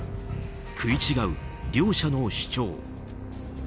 食い違う両者の主張。